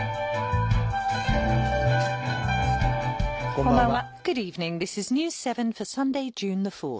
こんばんは。